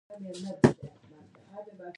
يوه ګړۍ دلته کېنه؛ ستړیا واچوه.